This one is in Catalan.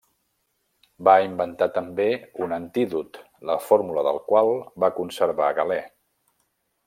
Va inventar també un antídot la fórmula del qual va conservar Galè.